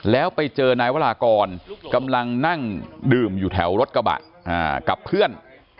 แล้วไปเจอนายวรากรกำลังนั่งดื่มอยู่แถวรถกระบะกับเพื่อน